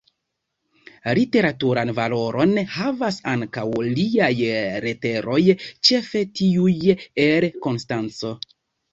Literaturan valoron havas ankaŭ liaj leteroj, ĉefe tiuj el Konstanco.